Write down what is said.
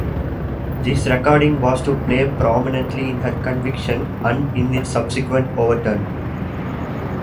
This recording was to play prominently in her conviction and in its subsequent overturn.